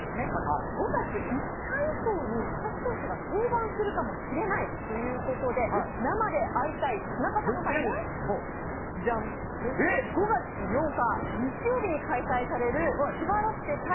５月５日以降に佐々木投手が登板するかもしれないということで、生で会いたい田中さんのためにじゃん、５月８日、日曜日に開催される千葉ロッテ対